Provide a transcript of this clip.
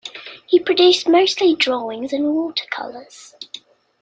He produced mostly drawings and watercolors.